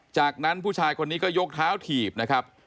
จากนั้นผู้ชายคนนี้ก็ยกเท้าถีบนะครับ